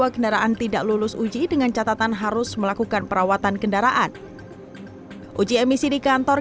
kendaraan tidak lulus uji dengan catatan harus melakukan perawatan kendaraan uji emisi di kantor